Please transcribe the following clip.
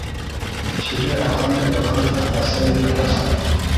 Ncire Abami urubanza, Mbasenge bose.